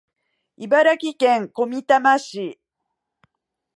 茨城県小美玉市